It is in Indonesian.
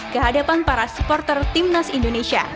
ke hadapan para supporter timnas indonesia